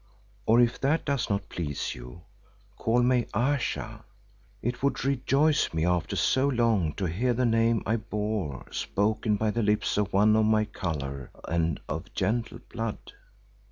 Or if that does not please you, call me Ayesha. It would rejoice me after so long to hear the name I bore spoken by the lips of one of my colour and of gentle blood."